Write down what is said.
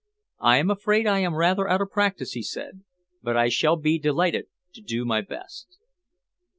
"I am afraid I am rather out of practice," he said, "but I shall be delighted to do my best."